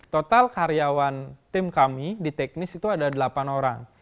total karyawan tim kami di teknis itu ada delapan orang